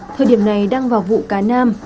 thời điểm này đang vào vụ cá nam